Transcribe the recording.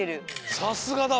さすがだわ。